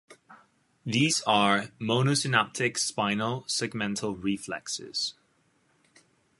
These are monosynaptic spinal segmental reflexes.